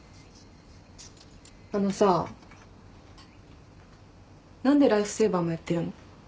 あのさ何でライフセーバーもやってるの？